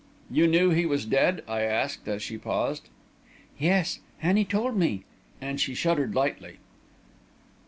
"You knew he was dead?" I asked, as she paused. "Yes; Annie told me," and she shuddered slightly.